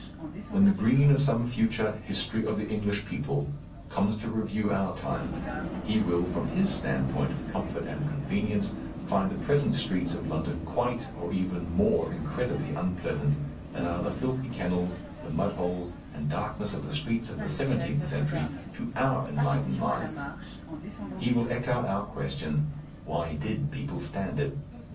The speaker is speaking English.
When the Green of some future History of the English People comes to review our times, he will, from his standpoint of comfort and convenience, find the present streets of London quite or even more incredibly unpleasant than are the filthy kennels, the mudholes and darkness of the streets of the seventeenth century to our enlightened minds. He will echo our question, "Why did people stand it?"